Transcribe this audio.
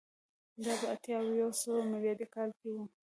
دا په اتیا او یو سوه میلادي کال کې و